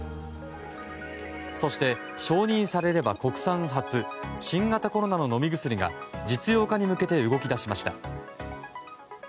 そして、承認されれば国産初新型コロナの飲み薬が実用化に向けて動き出しました。